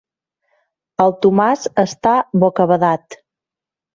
El Tomàs està bocabadat.